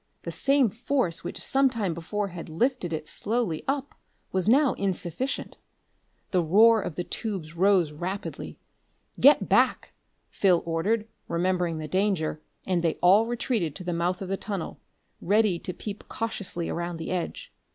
The same force which some time before had lifted it slowly up was now insufficient. The roar of the tubes rose rapidly. "Get back!" Phil ordered, remembering the danger, and they all retreated to the mouth of the tunnel, ready to peep cautiously around the edge.